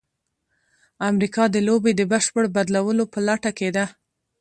امریکا د لوبې د بشپړ بدلولو په لټه کې ده.